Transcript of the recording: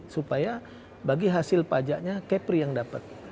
supaya bagi hasil pajaknya kepri yang dapat